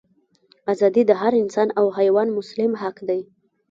ازادي د هر انسان او حیوان مسلم حق دی.